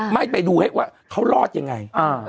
ไม่ไปดูให้ว่าเขารอดยังไง